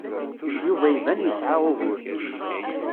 Yuba iban yesɛa ugur.